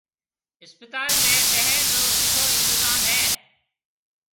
اسپتال ۾ ٻھڻ رو سٺو انتطام ھيََََ